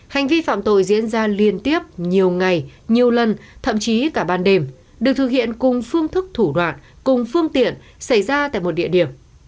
hành vi phạm tội diễn ra liên tiếp nhiều ngày nhiều lần thậm chí cả ban đêm được thực hiện cùng phương thức thủ đoạn cùng phương tiện xảy ra tại một địa điểm